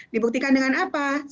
dibuktikan dengan apa